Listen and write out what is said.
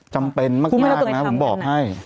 จำเป็นมากนะผมบอกให้